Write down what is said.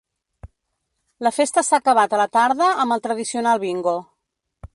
La festa s’ha acabat a la tarda amb el tradicional bingo.